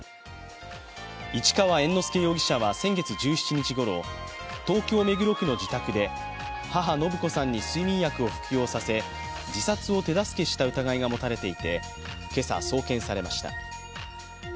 市川猿之助容疑者は先月１７日ごろ東京・目黒区の自宅で母・延子さんに睡眠薬を服用させ自殺を手助けした疑いが持たれていて、今朝送検されました。